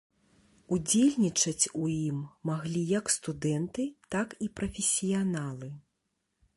Удзельнічаць у ім маглі як студэнты, так і прафесіяналы.